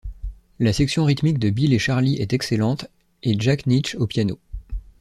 La section rythmique de Bill et Charlie est excellente et Jack Nitzsche au piano.